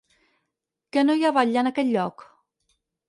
Que no hi ha batlle en aquest lloc?